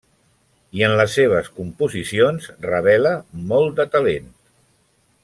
I en les seves composicions revela molt de talent.